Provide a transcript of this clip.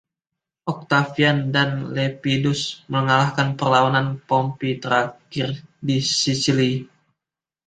Octavian dan Lepidus mengalahkan perlawanan Pompei terakhir di Sicily.